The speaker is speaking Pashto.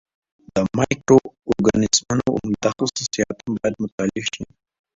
د مایکرو اورګانیزمونو عمده خصوصیات باید مطالعه شي.